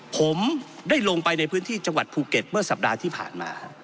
ผมได้ลงไปในพื้นที่จังหวัดภูเก็ตเมื่อสัปดาห์ที่ผ่านมา